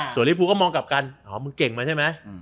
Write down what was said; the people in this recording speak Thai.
ส่วนลิภูก็มองกลับกันอ๋อมึงเก่งมาใช่ไหม